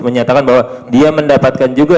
menyatakan bahwa dia mendapatkan juga